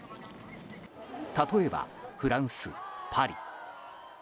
例えばフランス・パリ。